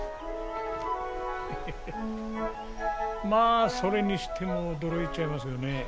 まあそれにしても驚いちゃいますよね。